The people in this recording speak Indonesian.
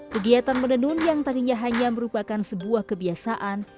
kegiatan menenun yang tadinya hanya merupakan sebuah kebiasaan